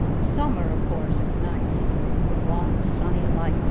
Summer, of course, is nice! The long, sunny light!